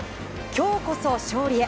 今日こそ、勝利へ。